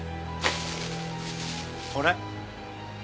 これ？